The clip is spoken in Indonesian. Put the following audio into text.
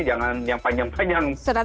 jangan yang panjang panjang